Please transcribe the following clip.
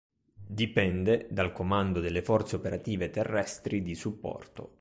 Dipende dal Comando delle forze operative terrestri di supporto.